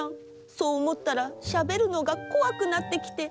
そう思ったらしゃべるのがこわくなってきて。